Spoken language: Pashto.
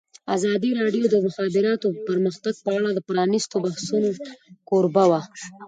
ازادي راډیو د د مخابراتو پرمختګ په اړه د پرانیستو بحثونو کوربه وه.